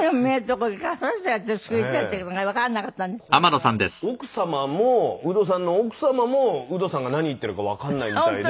これが奥様もウドさんの奥様もウドさんが何言ってるかわかんないみたいで。